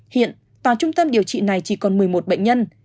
hiện tòa trung tâm điều trị này chỉ còn một mươi một bệnh nhân